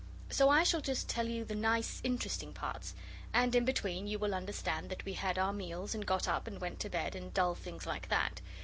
So I shall just tell you the nice, interesting parts and in between you will understand that we had our meals and got up and went to bed, and dull things like that.